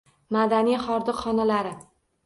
Madaniy hordiq xonalari